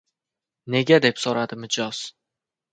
– Nega? – deb soʻradi mijoz.